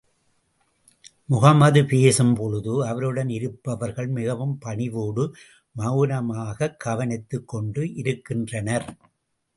முஹம்மது பேசும் பொழுது, அவருடன் இருப்பவர்கள் மிகவும் பணிவோடு மெளனமாகக் கவனித்துக் கொண்டு இருக்கின்றனர்.